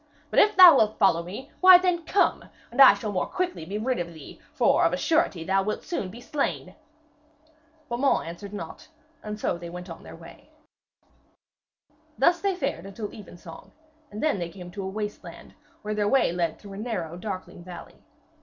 But if thou wilt follow me, why, then, come, and I shall the more quickly be rid of thee, for of a surety thou wilt soon be slain.' Beaumains answered naught, and so they went on their way. [Illustration: BEAUMAINS WINS THE FIGHT AT THE FORD] Thus they fared until evensong, and then they came to a waste land, where their way led through a narrow darkling valley.